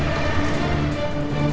jangan pak landung